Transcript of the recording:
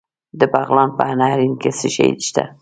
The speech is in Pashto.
د بغلان په نهرین کې څه شی شته؟